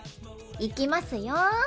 いきますよ。